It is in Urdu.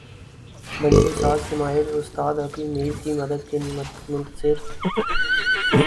بنجو ساز کے ماہر استاد عقل میر کی مدد کے منتظر